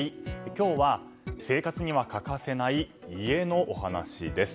今日は、生活には欠かせない家のお話です。